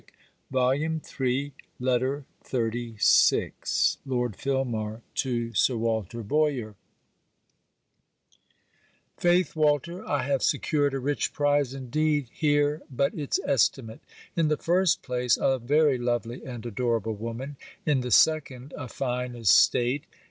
CAROLINE ASHBURN LETTER XXXVI LORD FILMAR TO SIR WALTER BOYER Faith, Walter, I have secured a rich prize, indeed. Hear but its estimate. In the first place, a very lovely and adorable woman. In the second, a fine estate.